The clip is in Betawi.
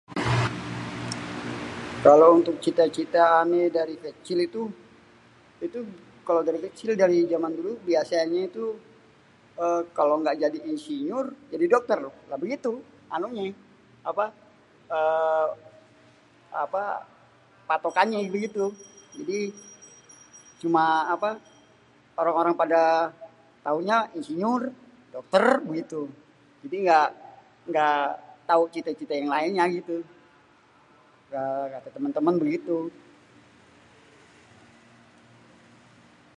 Kalau untuk cita-cita ané dari kecil itu, kalau dari kecil dari zaman dulu biasanya itu éhh kalau éngga jadi insinyur jadi dokter lah begitu anunyé apé ééé.. patokannye bégitu jadi cuma orang apé taunya insinyur, dokter begitu. Jadi éngga tau cité-cité lainnya gitu kata temén-temén bégitu